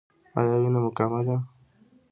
ایا وینه مو کمه ده؟